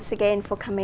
đã đến với